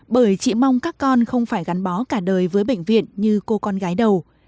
bởi chị mong các con không phải gắn bó cả đời với bệnh viện như cô con gái đầu